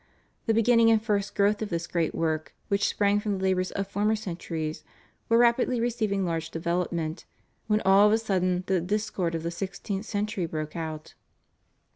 The beginnings and first growth of this great work, which sprang from the labors of former centuries, were rapidly receiving large development, when all of a sudden the discord of the sixteenth century broke out.